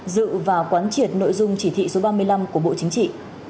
dự và quán triệt nội dung chỉ thị số ba mươi năm của bộ chính trị